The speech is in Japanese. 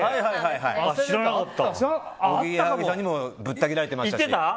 おぎやはぎさんにもぶったぎられてましたし。